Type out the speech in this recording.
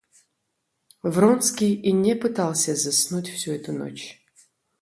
Вронский и не пытался заснуть всю эту ночь.